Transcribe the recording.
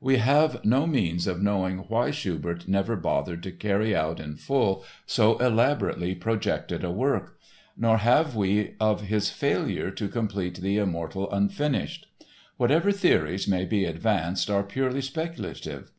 We have no means of knowing why Schubert never bothered to carry out in full so elaborately projected a work. Nor have we of his failure to complete the immortal Unfinished. Whatever theories may be advanced are purely speculative.